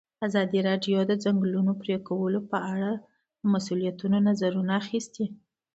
ازادي راډیو د د ځنګلونو پرېکول په اړه د مسؤلینو نظرونه اخیستي.